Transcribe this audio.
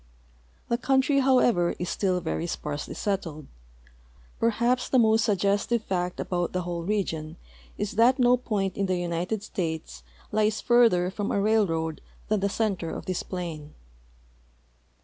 The country, however, is still very sparsely settled. Perhai)s the most suggestive fact about the whole region is that no point in the United States lies further from a railroad than the center of this plain.